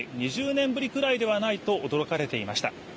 ２０年ぶりくらいではないかと驚かれていました。